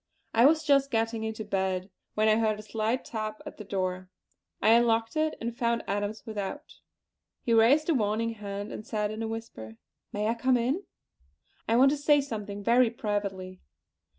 I was just getting into bed when I heard a slight tap at the door. I unlocked it and found Adams without. He raised a warning hand, and said in a whisper: "May I come in? I want to say something very privately."